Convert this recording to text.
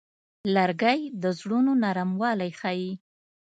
لرګی د زړونو نرموالی ښيي.